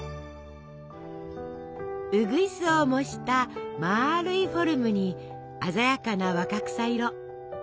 うぐいすを模したまるいフォルムに鮮やかな若草色。